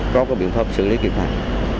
có biện pháp xử lý kịp thời